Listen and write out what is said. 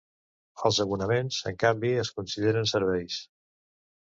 Els abonaments, en canvi, es consideren serveis.